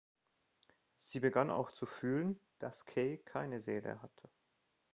Sie begann auch zu fühlen, dass Kay keine Seele hatte.